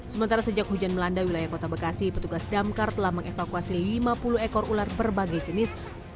sementara sejak hujan melanda wilayah kota bekasi petugas damkar telah mengevakuasi lima puluh ekor ular berbagai jenis